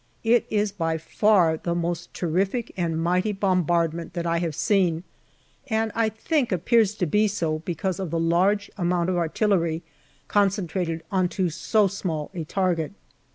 It is by far the most terrific and mighty bombardment that I have seen, and, I think, appears to be so because of the large amount of artillery concentrated on to so small a target.